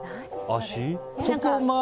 足？